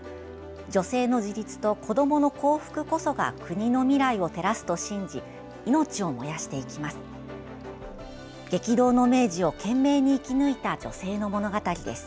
女性の自立と子どもの幸福こそが国の未来を照らすと信じ命を燃やしていきます。